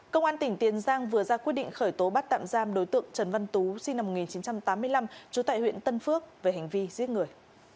công an tỉnh tiền giang vừa ra quyết định khởi tố bắt tạm giam đối tượng trần văn tú sinh năm một nghìn chín trăm tám mươi năm trú tại huyện tân phước về hành vi giết người